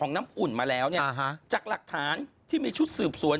น้ำอุ่นมาแล้วเนี่ยฮะจากหลักฐานที่มีชุดสืบสวน